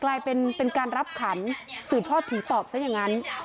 กลายเป็นการรับขันสืบทอดผีปอบซะอย่างนั้น